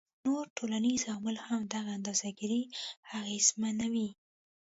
نور ټولنیز عوامل هم دغه اندازه ګيرۍ اغیزمنوي